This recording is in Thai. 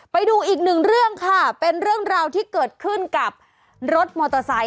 ไปดูอีกหนึ่งเรื่องค่ะเป็นเรื่องราวที่เกิดขึ้นกับรถมอเตอร์ไซค